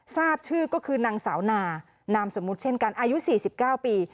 ทราบชื่อก็คือนางสาวนานามสมมุติเช่นกันอายุ๔๙ปี